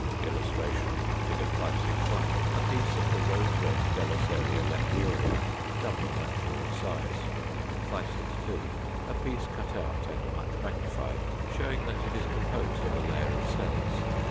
] [Illustration: Fig. 561. A piece of the rose red Delesseria Leprieurei, double natural size. 562. A piece cut out and much magnified, showing that it is composed of a layer of cells.